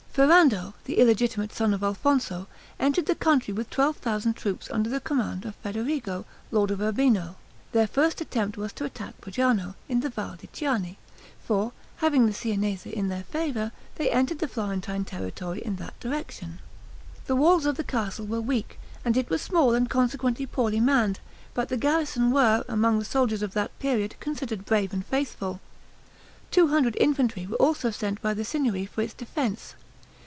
Ferrando, the illegitimate son of Alfonso, entered the country with twelve thousand troops, under the command of Federigo, lord of Urbino. Their first attempt was to attack Fojano, in the Val di Chiane; for, having the Siennese in their favor, they entered the Florentine territory in that direction. The walls of the castle were weak, and it was small, and consequently poorly manned, but the garrison were, among the soldiers of that period, considered brave and faithful. Two hundred infantry were also sent by the Signory for its defense.